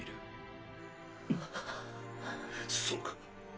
んそうか。